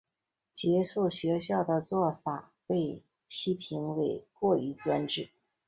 结束学校的做法被批评为过于专制。